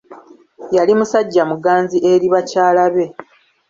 Yali musajja muganzi eri bakyala be.